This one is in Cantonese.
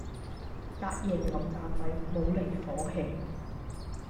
隔夜油炸鬼冇離火氣